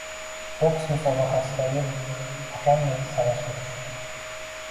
Boks musobaqasidagi hakamdek sanashga tushdim: